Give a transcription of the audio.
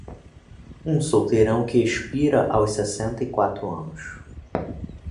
Um solteirão que expira aos sessenta e quatro anos